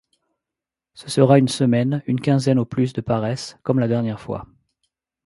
Ce sera une semaine, une quinzaine au plus de paresse, comme la dernière fois.